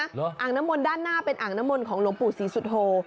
อ่างน้ำมนต์ด้านหน้าเป็นอ่างน้ำมนต์ของหลวงปู่ศรีสุโธ